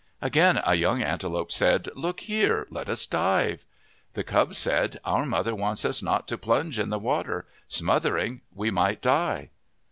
Again a young antelope said, " Look here ! Let us dive." The cub said, " Our mother wants us not to plunge in the water ; smothering, we might die."